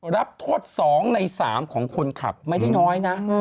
รับโทษ๒ใน๓ของคนขับไม่ได้น้อยนะ